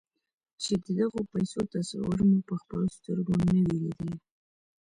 چې د غو پيسو تصور مو پهخپلو سترګو نه وي ليدلی.